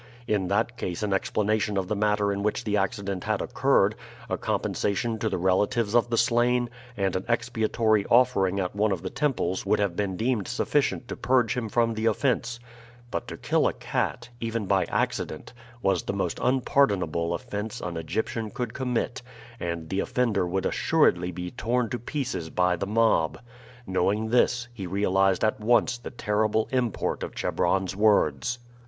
In that case an explanation of the manner in which the accident had occurred, a compensation to the relatives of the slain, and an expiatory offering at one of the temples would have been deemed sufficient to purge him from the offense; but to kill a cat, even by accident, was the most unpardonable offense an Egyptian could commit, and the offender would assuredly be torn to pieces by the mob. Knowing this, he realized at once the terrible import of Chebron's words.